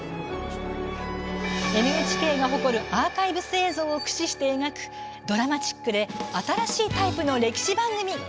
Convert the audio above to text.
ＮＨＫが誇るアーカイブス映像を駆使して描くドラマチックで新しいタイプの歴史番組。